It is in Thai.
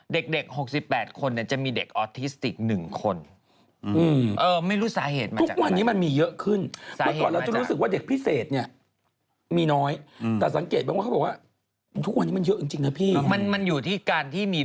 เด็ก๖๘คนจะมีเด็กออทิสติก๑คนไม่รู้สาเหตุมาจากอะไร